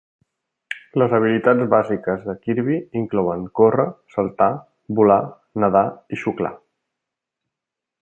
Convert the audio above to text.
Les habilitats bàsiques de Kirby inclouen córrer, saltar, volar, nedar i xuclar.